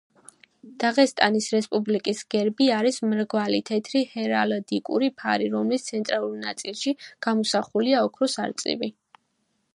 დაღესტნის რესპუბლიკის გერბი არის მრგვალი თეთრი ჰერალდიკური ფარი, რომლის ცენტრალურ ნაწილში გამოსახულია ოქროს არწივი.